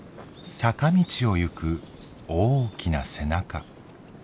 坂道を行く大きな背中。